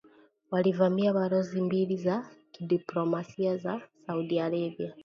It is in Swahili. walivamia balozi mbili za kidiplomasia za Saudi Arabia